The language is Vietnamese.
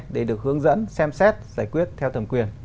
để được hướng dẫn xem xét giải quyết theo thẩm quyền